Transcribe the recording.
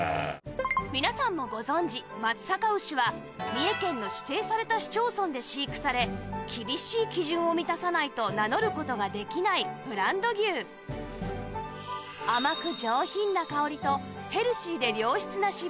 皆さんもご存じ松阪牛は三重県の指定された市町村で飼育され厳しい基準を満たさないと名乗る事ができないブランド牛といわれています